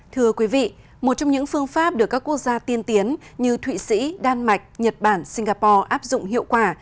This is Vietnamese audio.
thưa quý vị một trong những phương pháp được các quốc gia tiên tiến như thụy sĩ đan mạch nhật bản singapore áp dụng hiệu quả